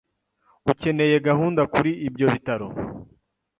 Ukeneye gahunda kuri ibyo bitaro.